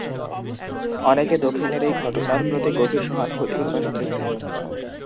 অনেকে দক্ষিণের এই ঘটনার প্রতি গভীর সহানুভূতি প্রকাশ করেছে।